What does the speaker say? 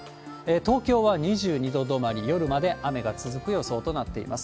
東京は２２度止まり、夜まで雨が続く予想となっています。